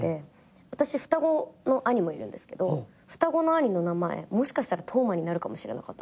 私双子の兄もいるんですけど双子の兄の名前もしかしたら「とうま」になるかもしれなかったんですよ。